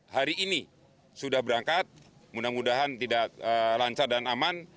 hari ini sudah berangkat mudah mudahan tidak lancar dan aman